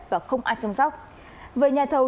và không ai chăm sóc về nhà thầu